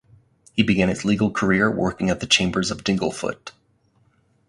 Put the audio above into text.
He began his legal career working at the chambers of Dingle Foot.